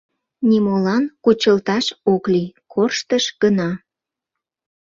Нимолан кучылташ ок лий — корштыш гына.